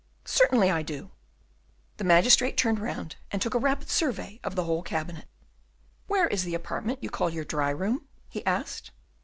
"Certainly I do." The magistrate turned round and took a rapid survey of the whole cabinet. "Where is the apartment you call your dry room?" he asked.